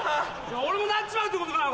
俺もなっちまうってことかよ